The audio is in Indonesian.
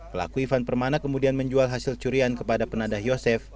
pelaku ivan permana kemudian menjual hasil curian kepada penadah yosef